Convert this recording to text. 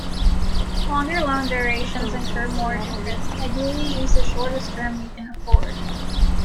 Longer loan durations incur more interest, ideally use the shortest term you can afford.